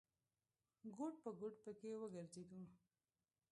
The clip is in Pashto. ګوټ په ګوټ پکې وګرځېدو.